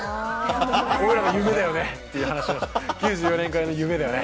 俺らの夢だよねっていう話を、９４年会の夢だよね。